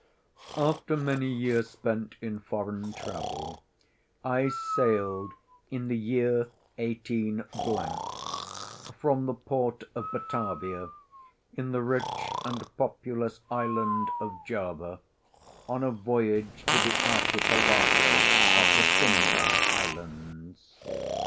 After many years spent in foreign travel, I sailed in the year 18— , from the port of Batavia, in the rich and populous island of Java, on a voyage to the Archipelago of the Sunda islands.